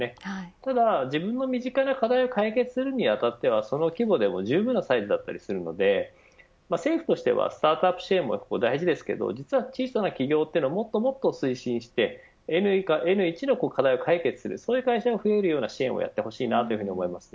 ただ自分の身近な課題を解決するに当たってはその規模でもじゅうぶんなサイズだったりするので政府としてはスタートアップ支援も大事ですが実は小さな企業をもっと推進してｎ＝１の課題を解決するような支援をやってほしいなと思います。